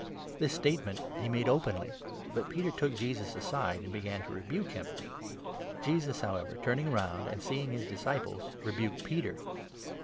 This statement he made 32 openly. But Peter took Jesus aside, and began to rebuke him. Jesus, however, turning round and seeing his disciples, 33 rebuked Peter.